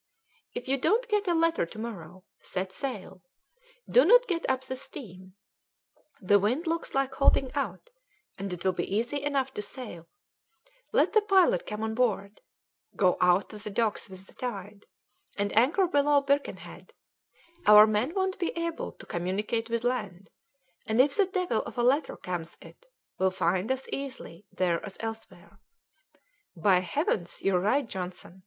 If you don't get a letter to morrow, set sail; do not get up the steam, the wind looks like holding out, and it will be easy enough to sail; let the pilot come on board; go out of the docks with the tide, and anchor below Birkenhead; our men won't be able to communicate with land, and if the devil of a letter comes it will find us as easily there as elsewhere." "By heavens! you are right, Johnson!"